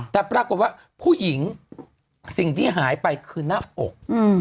แต่ปรากฏว่าผู้หญิงสิ่งที่หายไปคือหน้าอก